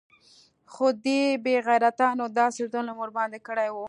خو دې بې غيرتانو داسې ظلم ورباندې کړى و.